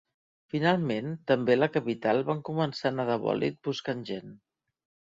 Finalment, també a la capital van començar a anar de bòlit buscant gent.